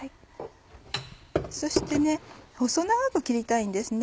そして細長く切りたいんですね。